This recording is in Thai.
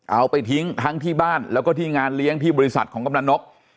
เอาไปทิ้งทั้งที่บ้านแล้วก็ที่งานเลี้ยงที่บริษัทของกำลังนก